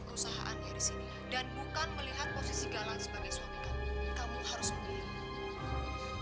perusahaan yang disini dan bukan melihat posisi galang sebagai suami kamu kamu harus melihat